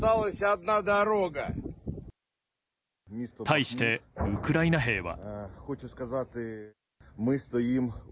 対して、ウクライナ兵は。